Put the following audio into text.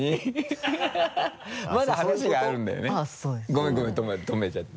ごめんごめん止めちゃって。